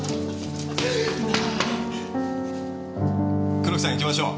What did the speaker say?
黒木さん行きましょう。